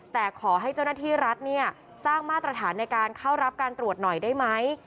แต่ขอให้เจ้าหน้าที่รัฐเนี่ยสร้างมาตรฐานในการเข้ารับการตรวจหน่อยได้ไหม